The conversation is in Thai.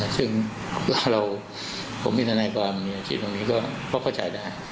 ซึ่งเพราะว่าเราผมมีธนาความมีจิตตรงนี้ก็เข้าเข้าใจได้